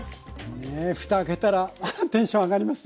ねえふた開けたらアハッテンション上がりますね！